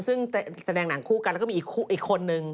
ซึ่งแสดงหนังคู่กันแล้วก็มีอีกคนนึง